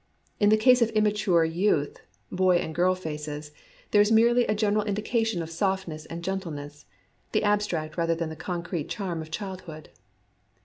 In the case of immature youth (boy and girl faces), there is merely a general indication of softness and gentleness, — the abstract rather than the concrete charm of childhood.